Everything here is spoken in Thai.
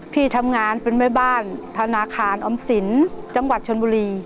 พี่ทำงานเป็นแม่บ้านธนาคารออมสินจังหวัดชนบุรี